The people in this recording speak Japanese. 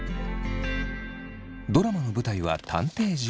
ドラマの舞台は探偵事務所。